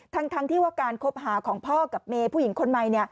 ทั้งที่ว่าการคบหาของพ่อกับเมย์ผู้หญิงคนใหม่